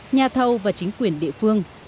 nhà thầu và chính quyền địa phương